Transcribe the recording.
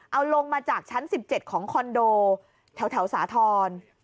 เอาลงมาจากชั้น๑๗ของคอนโดแถวสาธรณ์